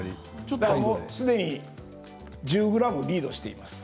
すでに１０ｇリードしています。